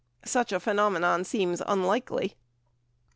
Such a phenomenon seems unlikely.